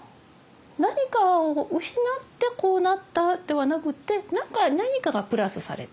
何かを失ってこうなったではなくって何かがプラスされた。